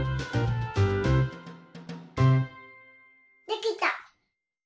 できた。